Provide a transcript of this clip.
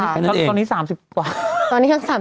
ค่ะตอนนี้๓๐กว่า